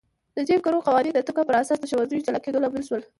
د جیم کرو قوانین د توکم پر اساس د ښوونځیو جلا کېدو لامل شول.